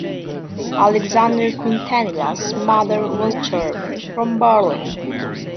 Alexandre Quintanilha's mother was German, from Berlin.